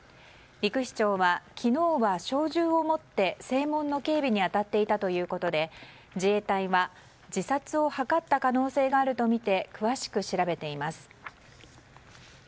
陸士長は昨日は小銃を持って正門の警備に当たっていたということで自衛隊は自殺を図った可能性があるとみて詳しく調べています。